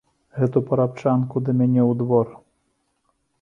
Гэтую парабчанку да мяне ў двор!